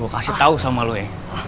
gua kasih tau sama lo ya